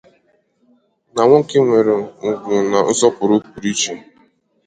na nwoke nwere ùgwù na nsọpụrụ pụrụ iche.